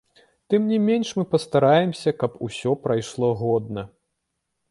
Тым не менш мы пастараемся, каб усё прайшло годна.